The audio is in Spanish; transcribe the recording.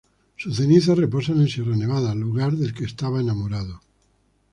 Sus cenizas reposan en Sierra Nevada, lugar del que estaba enamorado.